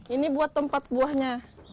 ini buat tempat buahnya